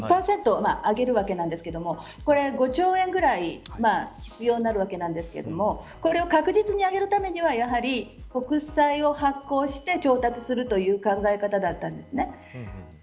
１％上げるわけなんですがこれ５兆円ぐらい必要になるわけなんですがこれを確実に上げるためにはやはり国債を発行して調達するという考え方だったんですね